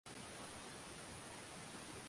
Sauti yake ni nyororo